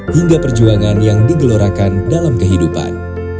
hingga perjuangan yang digelorakan dalam kehidupan